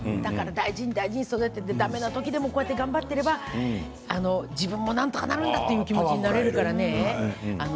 大事に大事に育ててだめなときでも頑張っていれば自分もなんとかなるんだという気持ちになれるからね